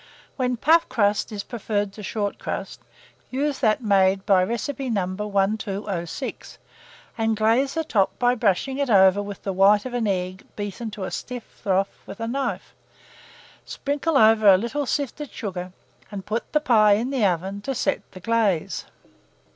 When puff crust is preferred to short crust, use that made by recipe No. 1206, and glaze the top by brushing it over with the white of an egg beaten to a stiff froth with a knife; sprinkle over a little sifted sugar, and put the pie in the oven to set the glaze.